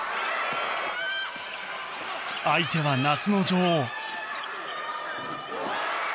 相手は、夏の女王。